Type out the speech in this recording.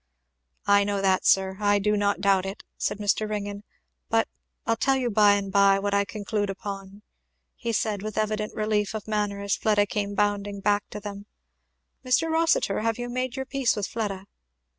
"I know that, sir, I do not doubt it," said Mr. Ringgan, "but I'll tell you by and by what I conclude upon," he said with evident relief of manner as Fleda came bounding back to them. "Mr. Rossitur, have you made your peace with Fleda?"